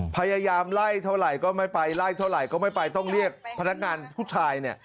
พยายามไล่เท่าไหร่ก็ไม่ไปไล่เท่าไหร่ก็ไม่ไปต้องเรียกพนักงานผู้ชายเนี่ย